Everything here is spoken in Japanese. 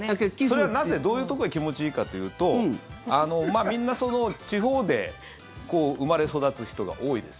それは、なぜどういうところで気持ちいいかというとみんな地方で生まれ育つ人が多いです。